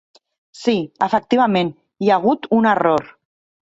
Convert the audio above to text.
Sí, efectivament hi ha hagut un error.